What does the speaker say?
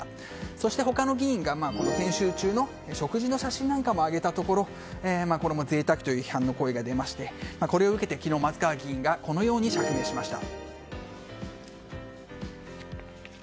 そして、他の議員が研修中の食事の写真なんかも上げたところこれも贅沢という批判の声が出ましてこれを受けて昨日、松川議員がこのように釈明しました。